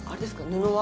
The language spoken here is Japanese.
布は。